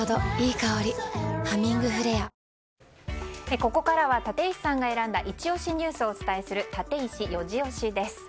ここからは立石さんが選んだイチ押しニュースをお伝えするタテイシ４時推しです。